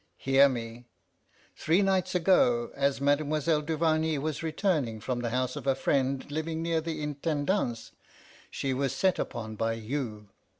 Hear me. Three nights ago, as Mademoiselle Duvarney was returning from the house of a friend living near the Intendance, she was set upon by you.